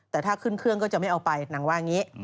แต่ถ้าขึ้นเครื่องก็จะไม่เอาไปนางว่าอย่างนี้